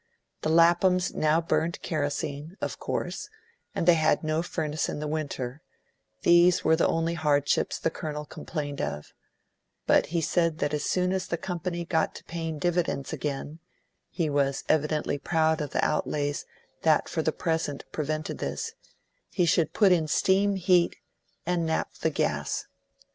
The Laphams now burned kerosene, of course, and they had no furnace in the winter; these were the only hardships the Colonel complained of; but he said that as soon as the company got to paying dividends again, he was evidently proud of the outlays that for the present prevented this, he should put in steam heat and naphtha gas.